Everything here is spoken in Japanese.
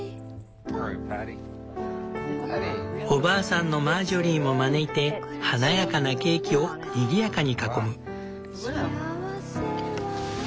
おばあさんのマージョリーも招いて華やかなケーキをにぎやかに囲む。